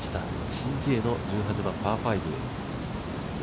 シン・ジエの１８番、パー５。